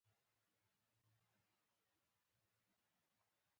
دا کلمه د اړتیاوو رفع کولو په معنا ده.